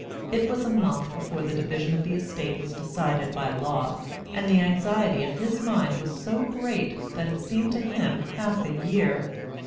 It was a month before the division of the estate was decided by law; and the anxiety of his mind was so great that it seemed to him half a year.